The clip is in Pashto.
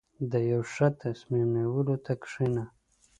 • د یو ښه تصمیم نیولو ته کښېنه.